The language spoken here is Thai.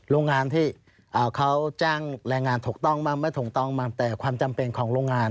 โรงงานที่เขาจ้างแรงงานถูกต้องบ้างไม่ถูกต้องบ้างแต่ความจำเป็นของโรงงาน